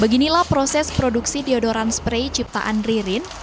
beginilah proses produksi theodoran spray ciptaan ririn